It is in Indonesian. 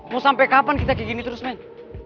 mau sampai kapan kita kayak gini terus main